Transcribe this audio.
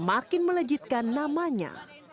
akin melejitkan namanya